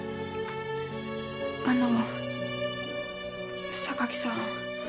あの榊さん。